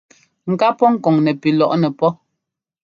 Ŋ ká pɔ́ kɔŋ nɛpi lɔ́ŋnɛ́ pɔ́.